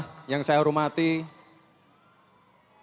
orang yang dipermenbm